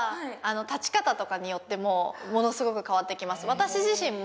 私自身も。